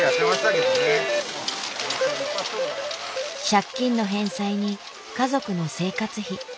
借金の返済に家族の生活費。